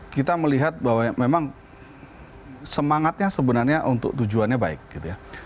kita melihat bahwa memang semangatnya sebenarnya untuk tujuannya baik gitu ya